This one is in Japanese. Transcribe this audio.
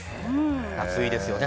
夏、いいですよね。